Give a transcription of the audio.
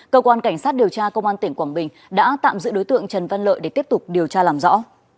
cơ quan cảnh sát điều tra công an tỉnh quảng bình đã tạm giữ đối tượng trần văn lợi để tiếp tục điều tra làm rõ